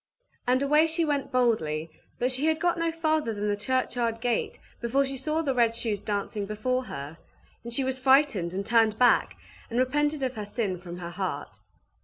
And away she went boldly; but she had not got farther than the churchyard gate before she saw the red shoes dancing before her; and she was frightened, and turned back, and repented of her sin from her heart.